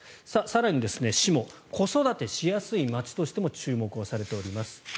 更に、志茂子育てしやすい街としても注目されています。